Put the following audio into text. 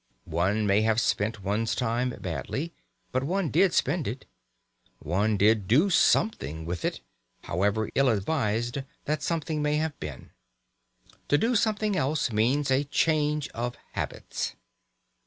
One may have spent one's time badly, but one did spend it; one did do something with it, however ill advised that something may have been. To do something else means a change of habits.